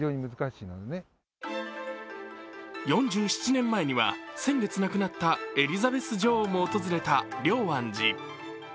４７年前には、先月亡くなったエリザベス女王も訪れた龍安寺。